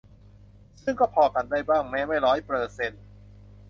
ซึ่งก็พอกันได้บ้าง แม้ไม่ร้อยเปอร์เซนต์